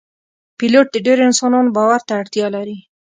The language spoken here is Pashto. پیلوټ د ډیرو انسانانو باور ته اړتیا لري.